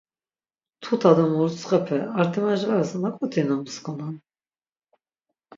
Tuta do murutsxepe arti majvaras naǩoti nomskunan.